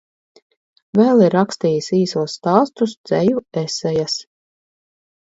Vēl ir rakstījis īsos stāstus, dzeju, esejas.